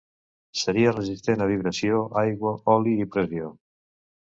Seria resistent a vibració, aigua, oli i pressió.